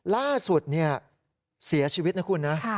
ล่าสุดเสียชีวิตนะคุณนะ